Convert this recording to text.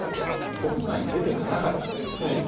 国外に出ていかなかったんですね。